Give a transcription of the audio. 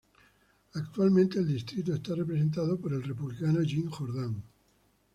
Actualmente el distrito está representado por el Republicano Jim Jordan.